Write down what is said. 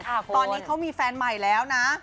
ตอนนี้เขามีแฟนใหม่แล้วนะ